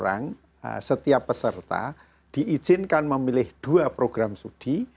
sehingga setiap orang setiap peserta diizinkan memilih dua program studi